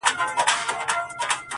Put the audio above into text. خير دی، زه داسي یم، چي داسي نه وم,